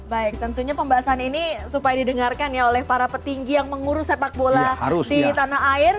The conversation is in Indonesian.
baik tentunya pembahasan ini supaya didengarkan ya oleh para petinggi yang mengurus sepak bola di tanah air